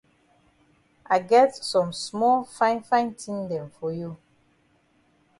I get some small fine fine tin dem for you.